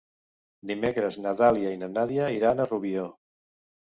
Dimecres na Dàlia i na Nàdia iran a Rubió.